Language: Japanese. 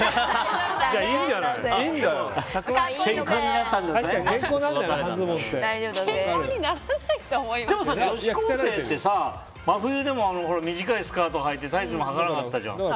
女子高生って真冬でも短いスカートでタイツもはかなかったじゃん。